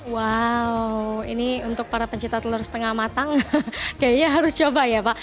wow ini untuk para pencipta telur setengah matang kayaknya harus coba ya pak